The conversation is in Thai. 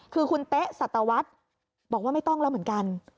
คือคุณเต๊ะสัตวรรษบอกว่าไม่ต้องแล้วเหมือนกัน